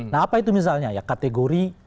nah apa itu misalnya ya kategori